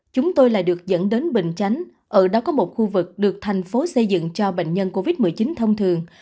chúng tôi lại được dẫn đến bình chánh ở đó có một khu vực được thành phố xây dựng cho bệnh nhân covid một mươi chín thông thường